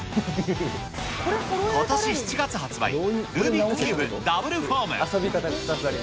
ことし７月発売、ルービックキューブダブルフォーム。